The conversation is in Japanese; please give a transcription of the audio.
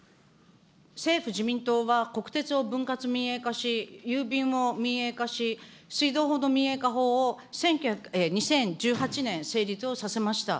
政府・自民党は国鉄を分割民営化し、郵便も民営化し、水道の民営化法を２０１８年、成立をさせました。